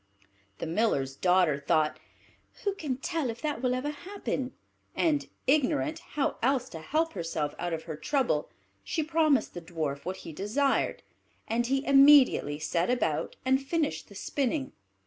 The Miller's daughter thought, "Who can tell if that will ever happen?" and, ignorant how else to help herself out of her trouble, she promised the Dwarf what he desired; and he immediately set about and finished the spinning.